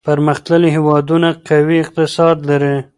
پرمختللي هېوادونه قوي اقتصاد لري.